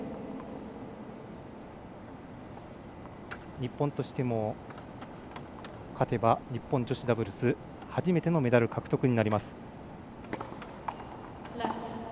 日本としても、勝てば日本女子ダブルス初めてのメダル獲得になります。